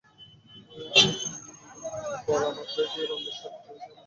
আমি তিন বলা মাত্রই কে কী রঙ্গের শার্ট, পরেছ আমাকে বলবে।